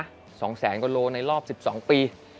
๒แสนกว่าโลในรอบ๑๒ปี